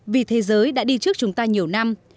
vì thế giới đã đi trước chúng ta nhiều năm